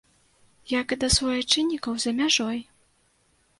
Як і да суайчыннікаў за мяжой.